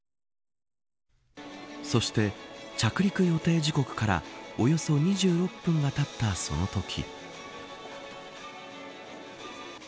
そして、着陸予定時刻からおよそ２６分がたったそのとき。